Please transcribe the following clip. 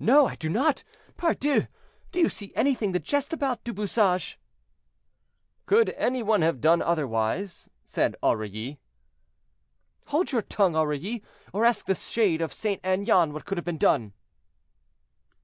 "No, I do not. Pardieu! do you see anything to jest about, Du Bouchage?" "Could any one have done otherwise?" said Aurilly. "Hold your tongue, Aurilly, or ask the shade of St. Aignan what could have been done."